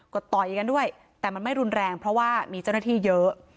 ก็ต่อยกันด้วยแต่มันไม่รุนแรงเพราะว่ามีเจ้าหน้าที่เยอะ